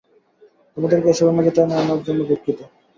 তোমাদেরকে এসবের মাঝে টেনে আনার জন্য দুঃখিত।